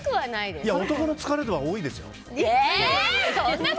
男の疲れは多いですよ。